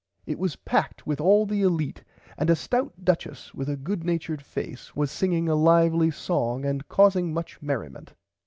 It was packed with all the Elite and a stout duchess with a good natured face was singing a lively song and causing much merriment.